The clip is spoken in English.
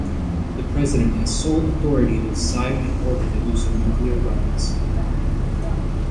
The President has sole authority to decide and order the use of nuclear weapons.